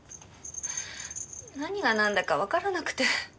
何がなんだかわからなくて。